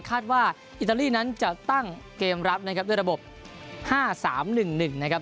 ว่าอิตาลีนั้นจะตั้งเกมรับนะครับด้วยระบบ๕๓๑๑นะครับ